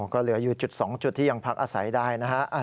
ก็เหลืออยู่จุด๒จุดที่ยังพักอาศัยได้นะฮะ